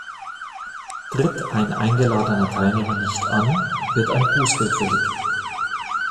Tritt ein eingeladener Teilnehmer nicht an, wird ein Bußgeld fällig.